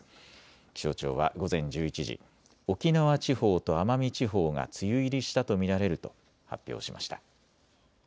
気象庁は午前１１時、沖縄地方と奄美地方が梅雨入りしたと見られると発表しました。